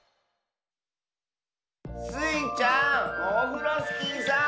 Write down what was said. スイちゃんオフロスキーさん。